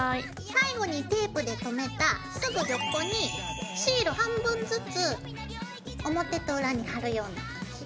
最後にテープでとめたすぐ横にシール半分ずつ表と裏に貼るようにして折り返します。